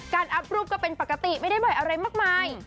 อัพรูปก็เป็นปกติไม่ได้บ่อยอะไรมากมาย